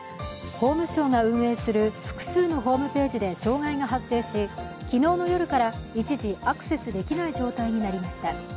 法務省が運営する複数のホームページで障害が発生し、昨日の夜から一時、アクセスできない状態になりました。